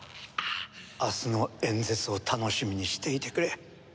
明日の演説を楽しみにしていてくれ。